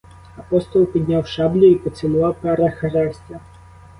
Апостол підняв шаблю і поцілував перехрестя.